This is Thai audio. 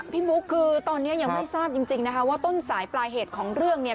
บุ๊คคือตอนนี้ยังไม่ทราบจริงนะคะว่าต้นสายปลายเหตุของเรื่องเนี่ย